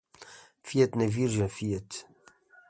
Fia-te na Virgem, fia-te.